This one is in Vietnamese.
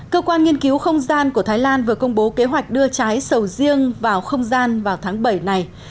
cơ quan nghiên cứu không gian của thái lan vừa công bố kế hoạch đưa trái sầu riêng vào không gian vào tháng bảy này